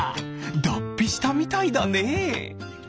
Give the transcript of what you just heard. だっぴしたみたいだねえ。